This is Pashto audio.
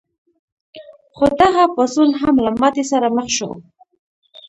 خو دغه پاڅون هم له ماتې سره مخ شو.